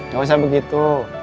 gak usah begitu